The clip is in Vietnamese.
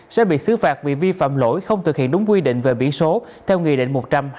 sẽ bị xứ phạt vì vi phạm lỗi không thực hiện đúng quy định về biển số theo nghị định một trăm linh hai nghìn một mươi chín